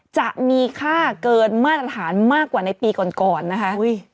จะมีค่าเกินมาตรฐานมากกว่าในปีก่อนก่อนนะคะ